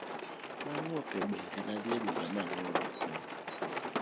Bang' wuok e bengi, nene adhi e duka ma anyiewo gik moko .